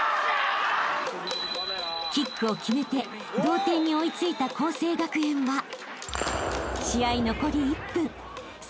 ［キックを決めて同点に追い付いた佼成学園は試合残り１分さらに